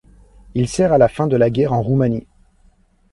Il sert à la fin de la guerre en Roumanie.